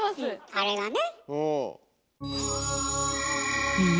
あれがね？